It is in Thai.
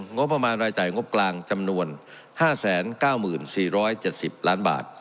งบประมาณรายจ่ายงบกลางจำนวน๕๙๔๗๐ล้านบาท